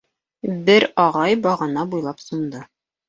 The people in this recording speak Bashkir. Бер ағай бағана буйлап сумды.